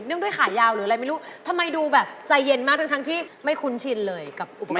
ด้วยขายาวหรืออะไรไม่รู้ทำไมดูแบบใจเย็นมากทั้งทั้งที่ไม่คุ้นชินเลยกับอุป